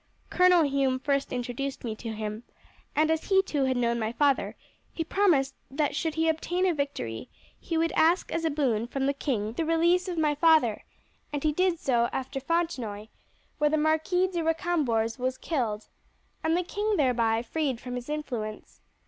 "Colonel Hume first introduced me to him, and as he too had known my father he promised that should he obtain a victory he would ask as a boon from the king the release of my father, and he did so after Fontenoy, where the Marquis de Recambours was killed, and the king thereby freed from his influence.